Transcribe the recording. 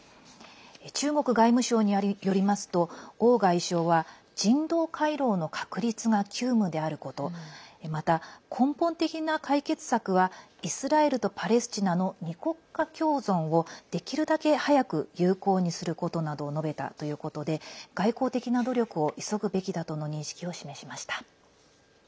中国外務省によりますと王外相は人道回廊の確立が急務であることまた、根本的な解決策はイスラエルとパレスチナの２国家共存を、できるだけ早く有効にすることなどを述べたということで外交的な努力を急ぐべきだとの認識を示しました。